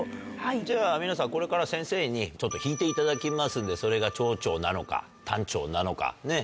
じゃあ皆さんこれから先生に弾いていただきますんでそれが長調なのか短調なのかねっ。